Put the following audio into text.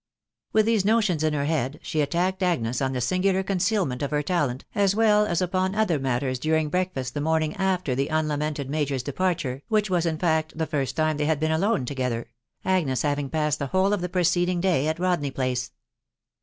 With these notions in her head, she attacked Agnes *fi at lingular concealment of her talent, as well as upon <ofaV matters during breakfast 'the morning after the ml«m«H major's departure, which was in fact the first time they faai been alone together, Agnes haying passed the whole af tat preceding day at Rodney Place.